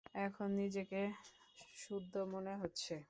এখন নিজেকে শুদ্ধ মনে হচ্ছে।